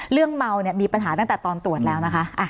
เรื่องเมาเนี่ยมีปัญหาตั้งแต่ตอนตรวจแล้วนะคะ